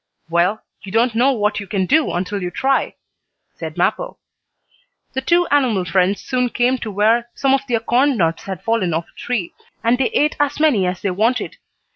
"Well, you don't know what you can do until you try," said Mappo. The two animal friends soon came to where some of the acorn nuts had fallen off a tree, and they ate as many as they wanted.